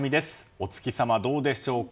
お月様、どうでしょうか。